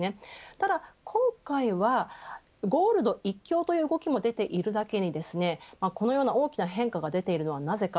ただ、今回はゴールド一強という動きも出ているだけにこのような大きな変化が出ているのはなぜか。